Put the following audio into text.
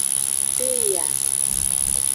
Peya.